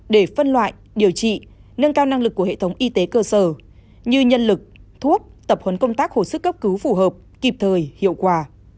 để phân loại điều trị nâng cao năng lực của hệ thống y tế cơ sở như nhân lực thuốc tập huấn công tác hồ sức cấp cứu phù hợp kịp thời hiệu quả